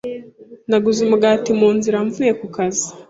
Naguze umugati munzira mvuye kukazi.